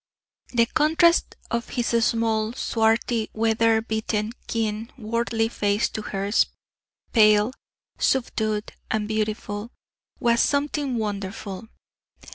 The contrast of his small, swarthy, weather beaten, keen, worldly face to hers pale, subdued, and beautiful was something wonderful.